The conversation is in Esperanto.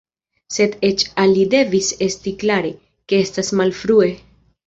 Sed eĉ al li devis esti klare, ke estas malfrue.